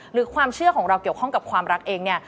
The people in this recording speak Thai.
หรือความเชื่อของเราเกี่ยวข้องกับความรักเองเนี่ย